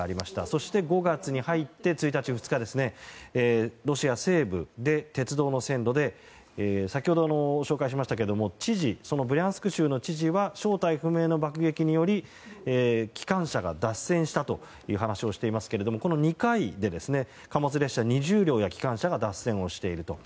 そして、５月に入って１日、２日にロシア西部で鉄道の線路で先ほども紹介しましたブリャンスク州の知事は正体不明の爆撃により機関車が脱線したという話をしていますけれどこの２回で貨物列車２０両や機関車が脱線していると。